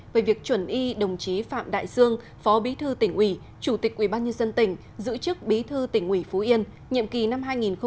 về việc chuẩn y đồng chí phạm đại dương phó bí thư tỉnh ủy chủ tịch ubnd tỉnh giữ chức bí thư tỉnh ủy phú yên nhiệm kỳ năm hai nghìn một mươi sáu hai nghìn hai mươi